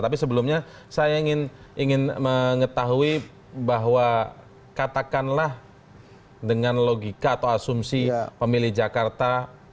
tapi sebelumnya saya ingin mengetahui bahwa katakanlah dengan logika atau asumsi pemilih jakarta